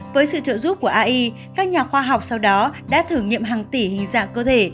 với sự trợ giúp của ai các nhà khoa học sau đó đã thử nghiệm hàng tỷ hình dạng cơ thể